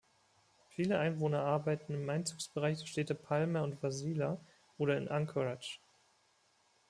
Viele Einwohner arbeiten im Einzugsbereich der Städte Palmer und Wasilla oder in Anchorage.